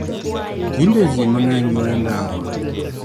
Tinde jii mangeny ywayo ndawa.